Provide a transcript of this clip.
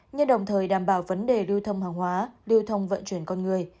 như đồng thời đảm bảo vấn đề lưu thông hàng hóa lưu thông vận chuyển con người